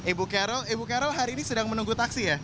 ibu carol hari ini sedang menunggu taksi ya